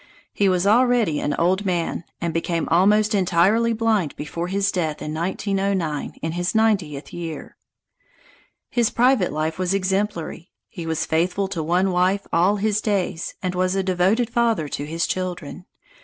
He was already an old man, and became almost entirely blind before his death in 1909 in his ninetieth year. His private life was exemplary. He was faithful to one wife all his days, and was a devoted father to his children.